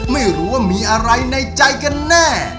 ไม่รู้ว่ามีอะไรในใจกันแน่